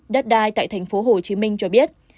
đất đai tại thành phố hồ chí minh cho biết